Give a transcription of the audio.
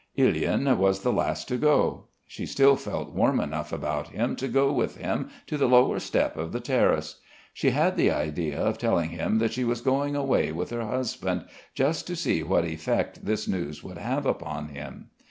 Ilyin was the last to go. She still felt warm enough about him to go with him to the lower step of the terrace. She had the idea of telling him that she was going away with her husband, just to see what effect this news would have upon him.